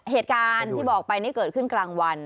เหตุการณ์ที่บอกไปนี่เกิดขึ้นกลางวัน